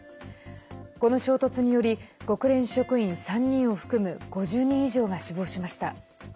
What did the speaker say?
この衝突により国連職員３人を含む５０人以上が死亡しました。